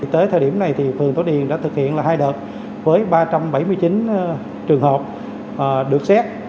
tới thời điểm này thì phường thảo điền đã thực hiện là hai đợt với ba trăm bảy mươi chín trường hợp được xét